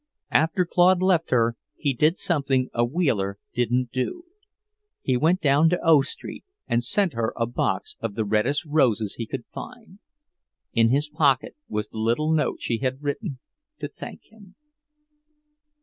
After Claude left her, he did something a Wheeler didn't do; he went down to O street and sent her a box of the reddest roses he could find. In his pocket was the little note she had written to thank him.